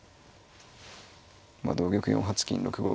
同玉４八金６五